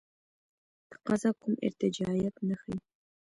تقاضا کوم ارتجاعیت نه ښیي.